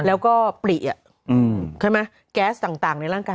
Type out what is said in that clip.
แล้วก็ปลิใช่ไหมแก๊สต่างในร่างกาย